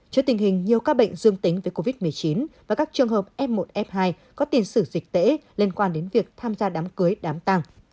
trước tình hình nhiều ca bệnh dương tính với covid một mươi chín và các trường hợp f một f hai có tiền sử dịch tễ liên quan đến việc tham gia đám cưới đám tăng